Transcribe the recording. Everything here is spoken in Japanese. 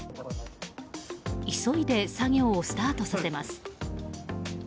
急いで作業をスタートさせます。